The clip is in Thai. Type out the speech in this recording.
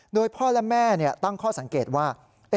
โดยพ่อและแม่ตั้งข้อสังเกตว่า